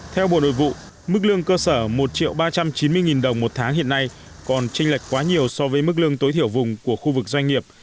theo bộ nội vụ mức lương cơ sở một ba trăm chín mươi đồng một tháng hiện nay còn tranh lệch quá nhiều so với mức lương tối thiểu vùng của khu vực doanh nghiệp